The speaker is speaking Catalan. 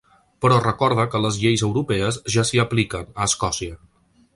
Però recorda que les lleis europees ja s’hi apliquen, a Escòcia.